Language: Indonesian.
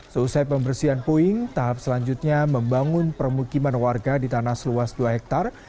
seusai pembersihan puing tahap selanjutnya membangun permukiman warga di tanah seluas dua hektare